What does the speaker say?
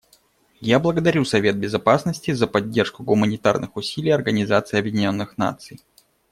Я благодарю Совет Безопасности за поддержку гуманитарных усилий Организации Объединенных Наций.